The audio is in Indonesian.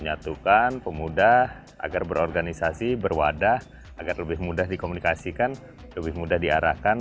menyatukan pemudah agar berorganisasi berwadah agar lebih mudah dikomunikasikan lebih mudah diarahkan